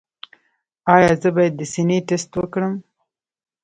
ایا زه باید د سینې ټسټ وکړم؟